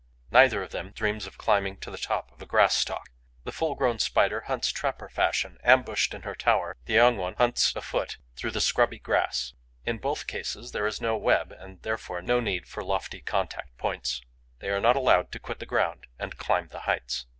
Neither of them dreams of climbing to the top of a grass stalk. The full grown Spider hunts trapper fashion, ambushed in her tower; the young one hunts afoot through the scrubby grass. In both cases there is no web and therefore no need for lofty contact points. They are not allowed to quit the ground and climb the heights.